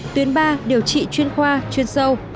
tuyến ba điều trị chuyên khoa chuyên sâu